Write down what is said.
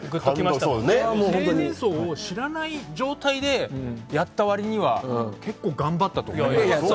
生前葬を知らない状態でやった割には結構、頑張ったと思います。